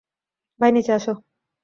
ভাই, নিচে আসো।